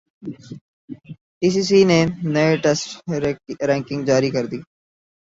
ئی C C نے نئی ٹیسٹ رینکنگ جاری کردی